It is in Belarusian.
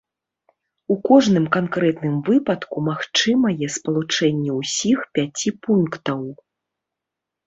У кожным канкрэтным выпадку магчымае спалучэнне ўсіх пяці пунктаў.